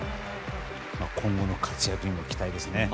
今後の活躍にも期待ですね。